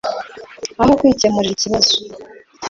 aho kwicyemurira ibibazo